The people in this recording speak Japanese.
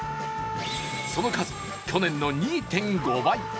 その数、去年の２．５倍。